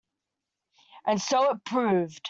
And so it proved.